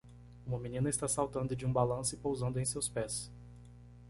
Uma menina está saltando de um balanço e pousando em seus pés